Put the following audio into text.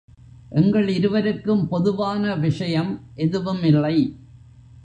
எங்கள் இருவருக்கும் பொதுவான விஷயம் எதுவும் இல்லை.